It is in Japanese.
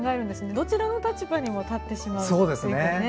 どちらの立場にも立ってしまうというかね。